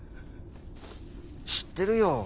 知ってるよ。